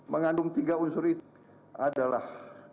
mengandung tiga unsur itu adalah